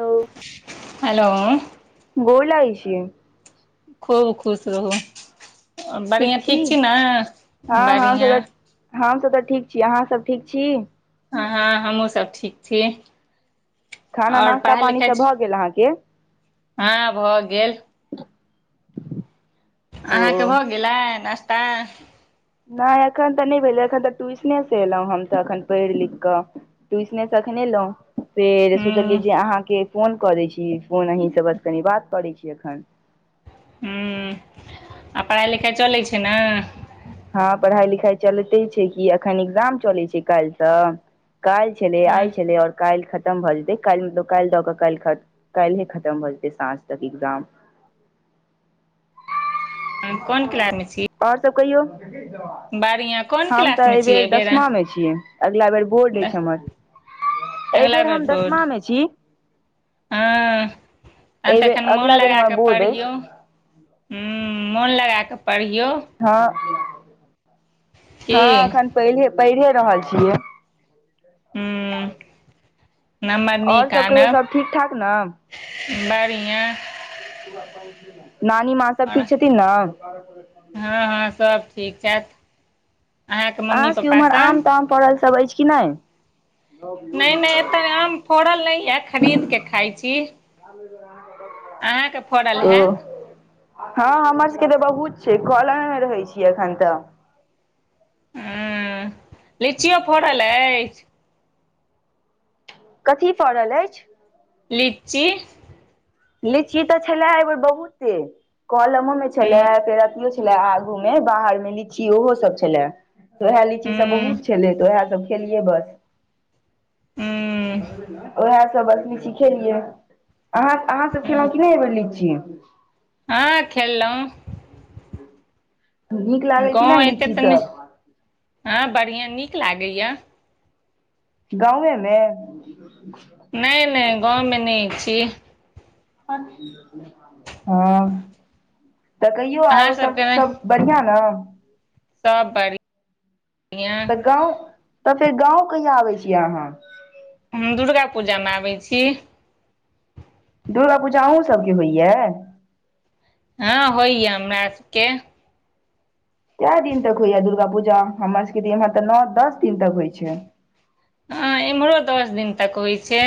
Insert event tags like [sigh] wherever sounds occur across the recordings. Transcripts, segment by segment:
Hello hello. गोर लगाई छी खूब खुश रहू बढ़िया ठीक छी ने बढ़िया हम सभ तऽ ठीक छी अहाँ सभ ठीक छी। हा हमहुँ सभ ठीक छी। खाना आओर नाश्ता पढ़ाइ पानी लिखाइ सभ भऽ गेल अहाँके हँ भऽ गेल ओ अहाँ कऽ भऽ गेलै नाश्ता नै एखन तऽ नै भेलै एखन तऽ ट्यूशने से एलौं हम तऽ एखन पढ़ि लिख कऽ ट्यूशन से एखने ऐलो फेर सोचलियै हूँ जे अहाँकेँ फोन कऽ दै छी फोन अही स बस कनि बात करैत छी एखन हु [inaudible] आ पढ़ाई लिखाइ चलै छै न हँ पढ़ाई लिखाई चलते छै कि एखन एग्जाम चलै छै काइल स काइल छलै आइ हँ। छलै ओर काइल खन खतम भऽ जेतै काइल मतलब काइल दऽ कऽ काइल काहिले खतम भऽ जेतै साँझ तक एग्जाम [inaudible] कोन किलास मे छीय और सब कहियौ कोन [unintelligible] [inaudible] हम तऽ क्लासमे छियै आएबेर एहि बेर दसमा में छियै अगला बेर बोर्ड एछ हमर अए अगिला बेेर बेर हम बोर्ड दसमा में छी हँ [inaudible] तहन अखन एहिबेर मोन अगिला बेर लगा हमर कऽ बोर्ड अछि पढ़ियौ हु मोन लगा कऽ पढ़ियौ ह [inaudible] की ह एखन पहिरे पहिरे रहल छियै हू नम्बर आओर निक सभ कहियौ आनब सभ ठीक ठाक ने [inaudible] बढ़िया नानी माँ सभ ठीक छथिन न हऽ हऽ सभ ठीक छैथ [inaudible] अहाँकेँ मम्मी पप्पा सभ परल सब ऐछ कि नै नै नै एतय आम फड़ल नै यऽ खरीद केँ खाइ छी अहाँके फड़ल [unintelligible] ह हैत हमर सब केँ तऽ बहुत छै। कलन मे रहै छियै। एखन तऽ [unintelligible] लिचियो फड़ल ऐछ कथी फड़ल अछि लीची लीची तऽ छले ए बेर बहुते कलमो में छले हूँ फेर अथियो छले छले आगू में बाहर में लीची ओहो सब छले। ओएह लीची सब हूँ बहुत छले तऽ ओएह सब खेलिय बस हूँ [inaudible] ओहै सब लिची खेलिय अहाँ अहाँ सब खेलो की नै ऐ बेर लिची हँ खेलौ नीक लागल की ना गाँव एते लीची तऽ नहि सब हँ बढ़ियां नीक लागैय गाँवे में नै नै गाँव में नै छी। [inaudible] हँ [inaudible] तऽ कहियौ अहाँ आउ सब सभके सब बढ़आं न सब बड़ि [inaudible] या तऽ गाँव तऽ फेर गाँव कहिया आबै छी अहाँ हम दुर्गा पूजामे आबै छी। दुर्गा पूजा अहुँ सब केँ होइया। हँ होइय हमरा सब केँ कए दिन तक होइया दुर्गा पूजा हमर सब केँ इम्हर तऽ नओ दस दिन तक होइ छै। हा इम्हरो दस दिन तक होइ छै।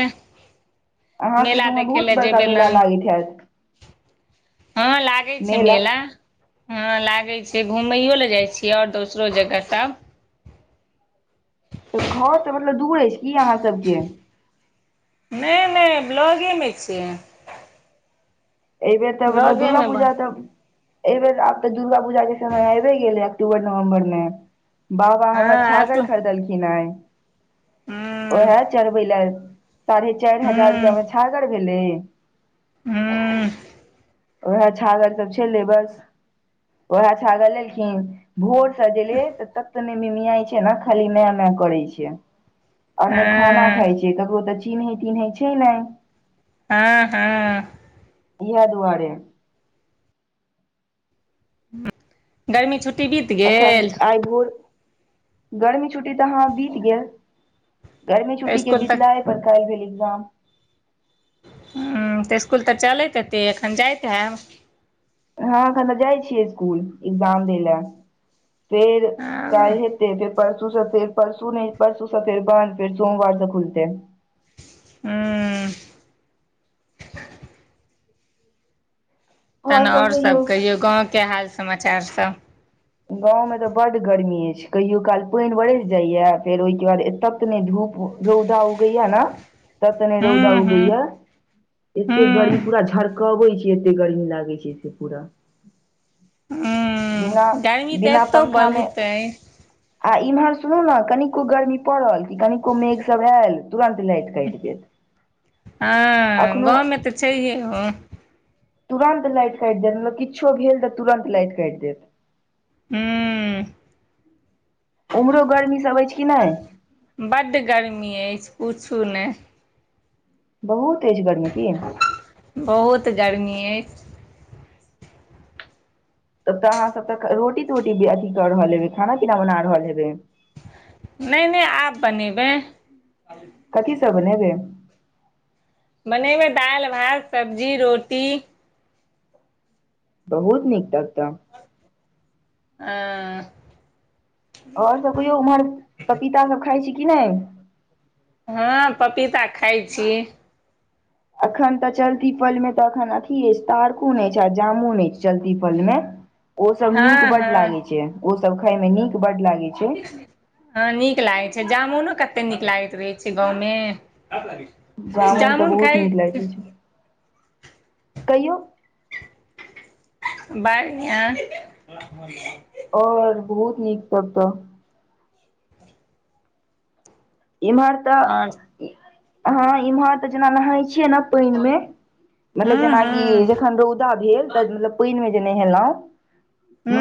अहाँ सबके तऽ मेला उम्हर देखे बहुत ले बड़का जेबे लग [inaudible] हा लागै छै। मेला हँ लागे छै। घूमैयो लए जाइ छीयै ओर दोसरो जगह सभ तऽ घोर से मतलब दूर अछि। की अहाँ सभ के नहि नहि ब्लॉगे में छियै एहि बेर तऽ मतलब दुर्गा ब्लॉगेमे पूजा बन तऽ एहि बेर आब तऽ दुर्गा पूजा के समय आबि गेलै अक्टूबर नवम्बर में बाबा हँ हमर आटू छागर खरीदलखिन हे हूँ ओहे चढ़बै लेल साढ़े चारि हजार हूँ रुपया में छागर भेलै हू। ओएह छागल सभ छै। बस ओएह छागल लेलखिन भोट सजेले त तब त नेमिया छै ने खाली नया नया करै छै। आओर नहि खाना हँ खाइ छै। ककरो तऽ चिन्है तिन्है छै नहि हँ हा इएह दुआरे। गर्मी छुट्टी बीत गेल। आई भोरे गर्मी छुट्टी तऽ हाँ बीत गेल गर्मी तऽ छुट्टी के इसकुल तक बीतला परकार भेल्जाम। हा तऽ स्कूल तऽ चलैत हेतै। एखन जाइत हेब हँ एखन तऽ जाइ छियै। स्कूल एग्जाम दै लए फेर हूँ कल हेतै फेर परसू सँ फेर परसू नहि परसू सँ फेर बान फेर सोमवार से खुलते हँ। तहन आओर और सब सभ कहियौ गाँव के हाल समाचार सभ गाँव में तऽ बड गर्मी अछि कहियो काल पानि बरसि जाइया फेर ओहिके बाद एतय त नहि धूप रौदा उगै या ने तते ने रौदा हूँ उगै हूँ या एते गर्मी हूँ पूरा झारक कबै एखे एते गर्मी लागे छै। से पूरा बिना एमी ते बिना एतो पंखा मे बहुत छै। आ इम्हर सुनू ने कनिको गर्मी पड़ल कि कनिको मेघ सभ आयल। तुरन्त लाइट कइट लेत। हँ गाँव में तऽ छैहे। ओ तुरंत लाइट काइट देत मतलब किछो भेल तऽ तुरंत लाइट काइट देत। हू। उम्हरो गरमी सभ अछि कि नहि बढ़ गर्मी एई अछि पुछु नहि। बहुत तेज हे गरमी। बहुत गर्मी अइछ। तऽ अहाँ सभ तऽ रोटी टोटी के अथी क रहल हेबै खाना पीना बना रहल हेबै नई नई आब बनेबे कथी सभ बनेबे बनेबे दाइल भात सब्जी रोटी। बहुत नीक। तब तऽ हा। अओर सब कहियो उम्हर पपीता सब खाइ छी कि नै हाँ पपीता खाय छी एखन ते चलती पल मे तऽ एखन अथी छै तारकुन छै जामुन छै चलती फल मे ओ सब नीक हँ बढ़ हँ लागे छै ओ सब खाय मे नीक बढ़ लागे छै ईना [inaudible] हँ नीक लागै छैय जामुनो कते नीक लागैत रहै छैय गाँवमे जामुन तऽ बहुत नीक लागै छै रहै छैय कहियो बरिया [inaudible] और बहुत नीक सब इमहर आओर तऽ हँ इमहर त जेना लगै छैय छीय आहा पैइन मे मतलब हूँ जेना की हूँ एखन राउद गेल त पाईन मे जे नेहेलै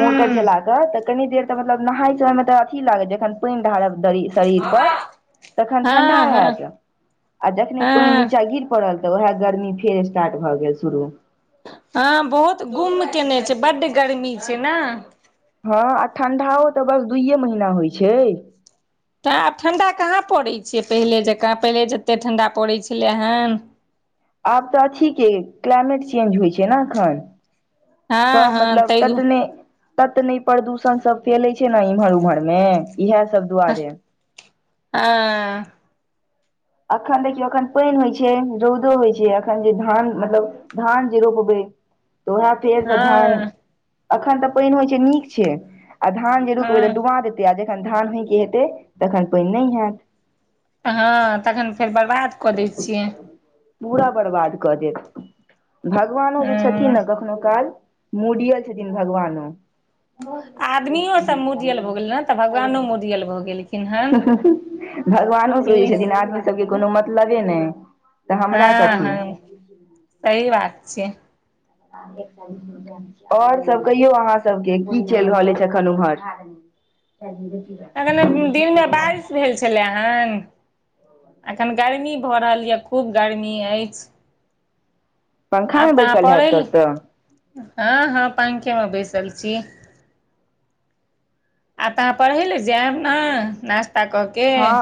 मोटर चला क कनी देर तऽ मतलब नहाय सहाय मे तऽ अथी लागत जखन पाइन ढारब शरीर शरीर पर तखन ठंडा हँ हँ हैत। जखने पाइन नीचा हँ गिर पड़ल तऽ उहाय गर्मी फेर स्टार्ट भए गेल शुरू हाँ बहुत गुम केने छैय बढ़ गर्मी छै न हाँ ठंडाओ तऽ बस दुइए महीना होइत छै त आब ठंडा कहाँ पड़ैत छैै पहिले जकाँ पहिले जतेक ठंडा पड़ै छलैइ हाँ आब तऽ अथी के क्लाइमेट चेंज होइ छैय न अखन हँ सब हँ मतलब तै ततने ततनै प्रदूषण सब फेलै छै ने इम्हर उम्हर मे इहा सब अह दुआरे आ [inaudible] अखन देखियौ अखन पाइन होइ छै रौउदो होइ छै अखन जे धान मतलब धान जे रोपबै तो है [unintelligible] फेर सँ धान हँ अखन तऽ पाइन होइ छै नीक छै आ धान जे रुकबै तऽ हँ डुबते दे किया जेखन धान नीक के हेतै तखन पाइन नहि हैत हाँ तखन फेर बर्बाद क दै छियै पूरा बर्बाद कऽ देत भगवानो जे छथिन हँ न कखनो काल मूडियल छथिन भगवानो आदमियो सब मुडियल भऽ गेल ने तऽ भगवानो मुडियल भऽ गेलखिन हन ह ह [inaudible] भगवानो की बुझे छथिन आदमी सबके कोनो मतलबे नै हँ हँ सही बात छै। एक [inaudible] अऔर सब कहियौ अहाँ सबके की चइल रहल छै अखन उम्हर च अखन दिनमे बारिश [inaudible] भेल छलै हन अखन गर्मी भऽ रहल यए खूब गर्मी अछि पंखा आब मे तऽ अहाँ बैसल हैब पड़ैले तब तऽ हँ हँ पंखेमे बैसल छी आब तऽ अहाँ पढ़े ले जायब ने नास्ता कऽ के हाँ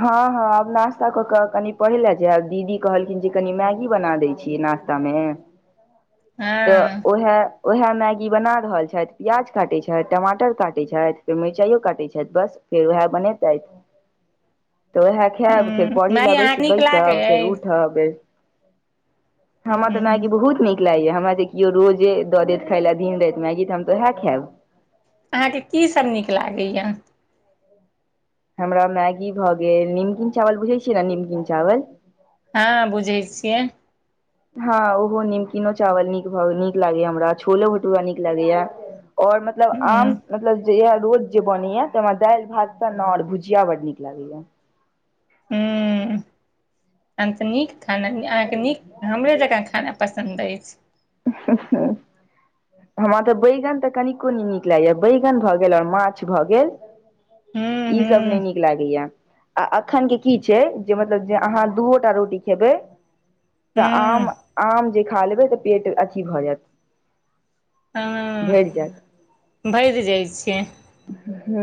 हँ हँं आब नाास्ता कऽ कऽ कनी पहिले जेब दीदी कहलखिन जे कनि मैगी बना दै छियै नास्ता मे ह [inaudible] तऽ [unintelligible] ओ है ओएह मैगी बना रहल छथि प्याज काटैत छथि टमाटर काटैत छथि फेर मिरचाइयो काटैत छथि बस फेर वएह बनेतै तऽ उएह खैब फेर ह पढ़ै माय लए यै बैस अहाँके नीक लागै बैसब फेर अछि उठब हमरा तऽ ह मैगी बहुत नीक या हमरा जे केओ रोजे दऽ देत खाय लए दिन राति मेगी तऽ हम तो उहे खैब अहाँके कीसभ नीक लागैए हमरा मैगी भऽ गेल निमकिन चावल बुझै छी न निमकिन चावल हँ बुझै छियै। हँ ओहो निमकिनो चावल नीक भऽ गेल नीक लागैए हमरा छोलो भटुरा नीक लागैए आओर मतलब ह आम मतलब जे ये रोज जे बनैये से हमरा दालि भात सन्ना आओर भुजिया बड्ड नीक लागैये। हुँ तहन तऽ नीक खाना मे अहाँके नीक हमरे जकाँ खाना पसन्द अछि। [inaudible] हमरा तऽ बैगन तऽ कनिको नी नीक लागैए बैगन भऽ गेल आओर माछ भऽ गेल हूँ ई सब हूँ नय नीक लागैये आ अखन के की छै जे मतलब जे अहाँ दूओटा रोटी खेबै तऽ आम हूँ आम जे खा लेबै तऽ पेट अथि भऽ जैत भरि हँ जैत भरि जाइ छै। हुँ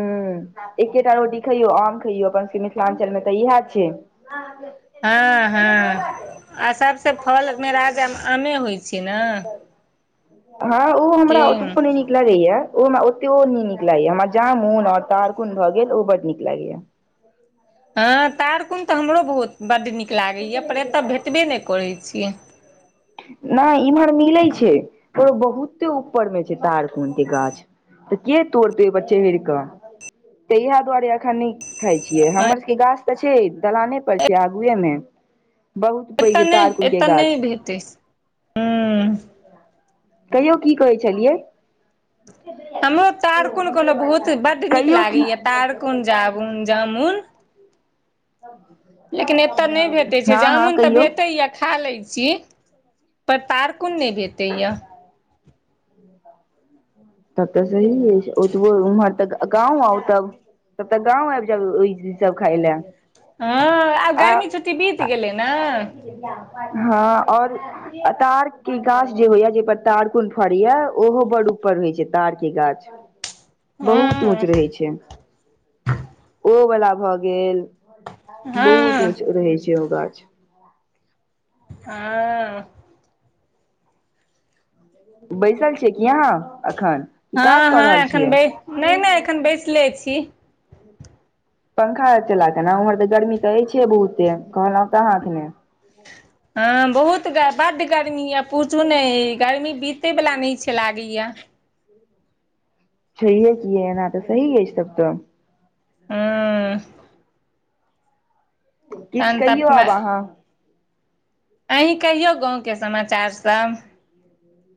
एकेटा रोटी खैयौ आम खइयौ अपन सभके मिथिलाञ्चलमे तऽ इएह छै आहाँ जे [inaudible] हँ हँ आ सभसँ फल मे राजा आमे होइ छै ने हँ ओ की हमरा ओतबो नय नीक लागैये उ हमरा ओतेयो नय नीक लागैये हमरा जामुन आओर तारकुन भऽ गेल ओ बड्ड नीक लागैये हँ तारकुन तऽ हमरो बहुत बड्ड नीक लागैए पर एतऽ भेटबे नय करै छियै। नय इम्हर मिलै छै ओ बहुते ऊपर मे छै तारकुन के गाछ तऽ के तोड़तै ओहि पर चढ़ि कऽ तऽ इहे दुआरे अखन नय खाय छियै हमर सबके गाछ तऽ छै दलाने पर छै आगुए मे बहुत पैघ तारकुन के गाछ तैस [inaudible] कहियौ की कहै छेलियै। [inaudible] हमरो तारकुन कोहलौं बहुत बड्ड नीक कहियो लागैए तारकुन जाबुन की जामुन [inaudible] [inaudible] लेकिन एतऽ नय भेटै छै हँ हँ जामुन तऽ कहियौ भेटैए खा लै छी पर तारकून नय भेटैय तब तऽ सही अछि ओतबो उम्हर तऽ गा गाँंव आउ तब तब तऽ गाँंव आबि जाउ ओहि सब खाय लए हँ आब आ गर्मी छुट्टी बीत गेलै न हँ आओर आ तार के गाछ जे होइये जहि पर तारकुन फडैये ओहो बड्ड ऊपर होय छै छै तार के गाछ बहुत ऊँच रहै छै ओ वला भऽ गेल बहुत हँ ऊँच रहै छै ओ गाछ हँ बैसल छियै कि अहाँ एखन की काज कऽ रहल छियै। नै नै एखन बैसले छी पंखा चला केँ न उम्हर तऽ गर्मी तऽ ऐछै बहुते कहलों तऽअहाँ एखने [unintelligible] हँ बहुत बड्ड गर्मी यऽ पूछू नै गर्मी बीतय वला नै छै लागैया छै है कि ऐना तऽ सही ये तब तऽ [unintelligible] किछ तहन तऽ कहियौ आब अहाँ अहीं कहियौ गाँव केँ समाचार सब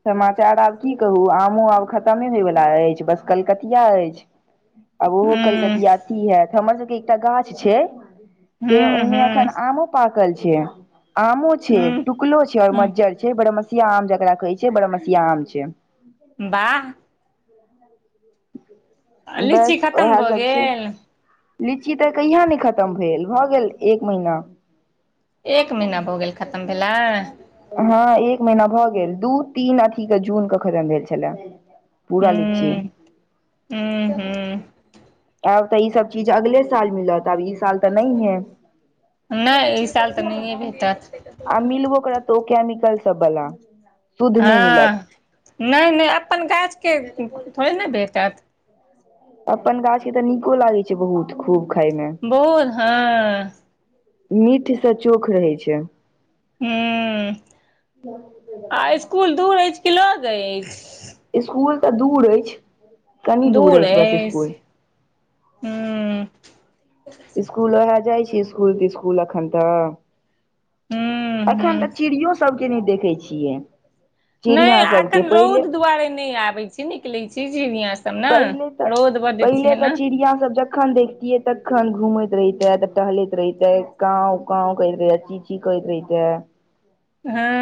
समाचार आब की कहू आमो आब खतमे होय बला ऐछ बस कलकतिया अछि [inaudible] आब ओहो हँ कलकतिया अथी हैत हमर सब केँ एकटा गाछ छै से ओइ हँ में हँ आमो पाकल छै आमो छै हँ टुकलो छै और हँ मज्जर छै छै बड़मसिया आम जकरा कहै छै बड़मसिया आम छै वाह [inaudible] लीची बस खतम ओहै भऽ सब छै गेल लीची तऽ कहिया नै खतम भेल भऽ गेल एक महिना एक महीना भऽ गेल खतम भेला हँ एक महिना भऽ गेल दू तीन अथी कऽ जून कऽ खतम भेल छलै पूरा लीची हू हू अब तऽ ई सब चीज अगले साल मिलत अब इ [inaudible] नै ई साल तऽ नहिए भेटत आ मिलबो करत ओ केमिकल सब बला शुद्ध नहि मिलत हँ नै नै अपन गाछ कऽ थोड़े न भेटत अपन गाछ कऽ तऽ नीको लागै छै बहुत खूब खायमे [inaudible] बहुत हँ मीठ से चोख रहे छै हु [inaudible] आ इसकुल दूर ऐछ कि लग ऐछ इसकुल तऽ दूर ऐछ [inaudible] कनि दूर अछि बस इसकुल हू इसकुल ओहै जाइ छी इसकुल तिसकुल अखन तऽ हूँ हूँ एखन तऽ चिड़ियो सब केँ नै देखे छियै नै चिड़िया सबके एखन पहिले रौद दुआरे नै आबे छै निकले छै चिड़िया सब ने पहिले तऽ रौद बड्ड पहिले छै तऽ ने चिड़िया सब जखन खन देखतियै तखन घूमैत रहिते तऽ टहलैत रहिते काउव काउव कहैत रहे की करैत रहितै हँ